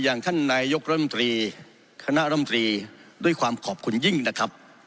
อย่างท่านนายกรมตรีคณะรำตรีด้วยความขอบคุณยิ่งนะครับ